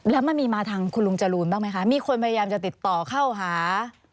แล้วมันมีมาทางคุณลุงจรูนบ้างไหมคะมีคนพยายามจะติดต่อเข้าหา